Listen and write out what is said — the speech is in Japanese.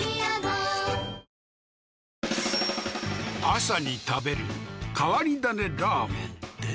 朝に食べる変わり種ラーメンって？